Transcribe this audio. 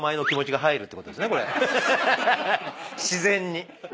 自然に。